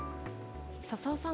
笹生さん